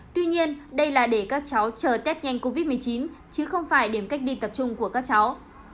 tuy nhiên đây là để các cháu chờ tết nhanh covid một mươi chín chứ không phải điểm cách ly tập trung của các cháu